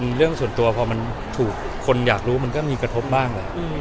เมื่อมันถูกคำนี้มันก็มีกระทบบ้าง